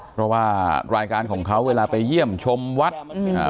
เพราะว่ารายการของเขาเวลาไปเยี่ยมชมวัดอ่า